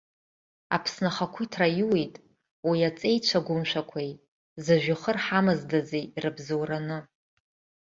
Аԥсны ахақәиҭра аиоуит уи аҵеицәа гәымшәақәеи зыжәҩахыр ҳамаздази ирыбзоураны.